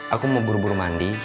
aku mau buru buru mandi